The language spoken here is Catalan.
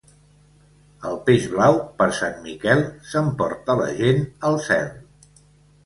El peix blau, per Sant Miquel, s'emporta la gent al cel.